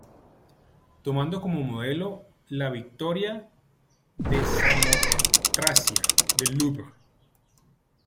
Tomando como modelo la Victoria de Samotracia del Louvre.